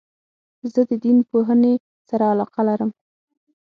زه د دین پوهني سره علاقه لرم.